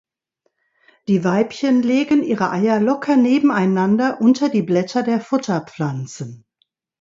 Die Weibchen legen ihre Eier locker nebeneinander unter die Blätter der Futterpflanzen.